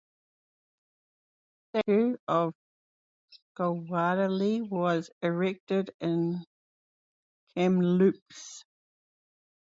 A statue of Gaglardi was erected in Kamloops.